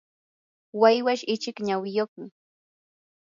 waywash ichik nawiyuqmi.